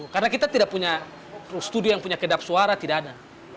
karena kita tidak punya studio yang punya kedap suara tidak ada